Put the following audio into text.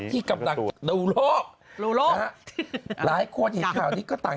ที่กำลังดูโลกดูโลกนะฮะหลายคนเห็นข่าวนี้ก็ต่าง